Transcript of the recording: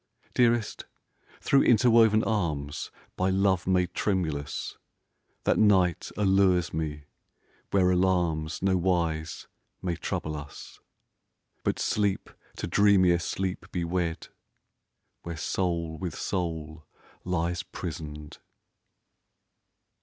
Dearest, through interwoven arms By love made tremulous, That night allures me where alarms Nowise may trouble us ; But sleep to dreamier sleep be wed Where soul with soul lies prisoned.